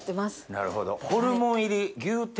なるほど。